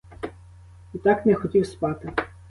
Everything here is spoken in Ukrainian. І так не хотів спати.